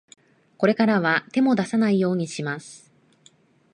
これからは、手も出さないようにします。